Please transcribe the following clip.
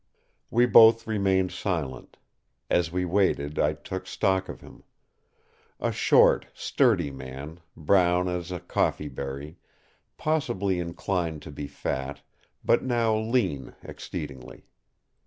We both remained silent; as we waited I took stock of him. A short, sturdy man, brown as a coffee berry; possibly inclined to be fat, but now lean exceedingly.